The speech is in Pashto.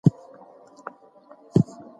کوم عوامل د کلتور د تفکیک سبب ګرځي؟